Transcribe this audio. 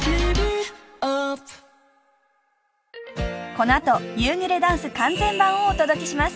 このあと夕暮れダンス完全版をお届けします